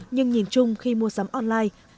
nhưng nhìn chung khi mua sắm online